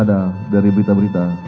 ada dari berita berita